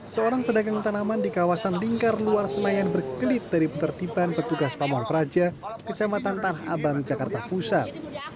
seorang pedagang tanaman di kawasan lingkar luar senayan berkelit dari penertiban petugas pamong praja kecamatan tanah abang jakarta pusat